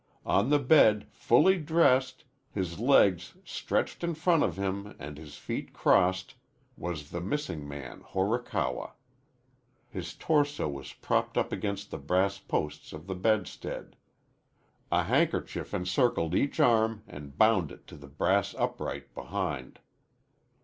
On the bed, fully dressed, his legs stretched in front of him and his feet crossed, was the missing man Horikawa. His torso was propped up against the brass posts of the bedstead. A handkerchief encircled each arm and bound it to the brass upright behind.